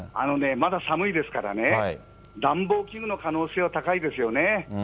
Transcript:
まだ寒いですからね、暖房器具の可能性は高いですよね。